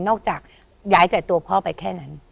จากย้ายจากตัวพ่อไปแค่นั้น